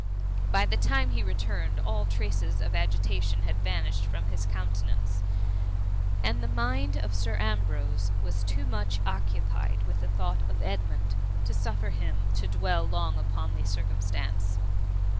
By the time he returned, all traces of agitation had vanished from his countenance; and the mind of Sir Ambrose was too much occupied with the thought of Edmund, to suffer him to dweU long upon the circumstance.